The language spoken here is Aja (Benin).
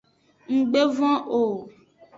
Nggbe von o.